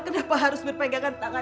kenapa harus berpegangan tangan